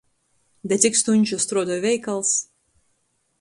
Da cik stuņžu struodoj veikals?